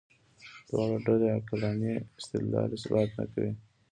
دواړه ډلې عقلاني استدلال اثبات نه کوي.